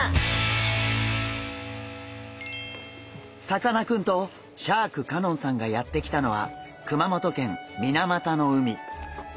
さかなクンとシャーク香音さんがやって来たのは熊本県水俣の海。